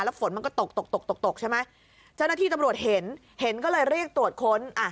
แล้วฝนมันก็ตกใช่ไหมเจ้าหน้าที่ตำรวจเห็นเห็นก็เลยเรียกตรวจค้น